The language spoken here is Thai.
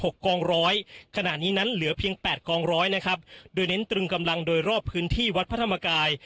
กองร้อยขณะนี้นั้นเหลือเพียงแปดกองร้อยนะครับโดยเน้นตรึงกำลังโดยรอบพื้นที่วัดพระธรรมกาย